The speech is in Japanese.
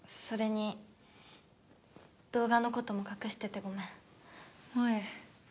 それに動画のことも隠しててごめん。